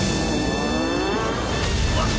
うわっ！